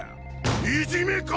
いじめか？